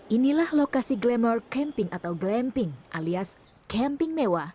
inilah lokasi glamour camping atau glamping alias camping mewah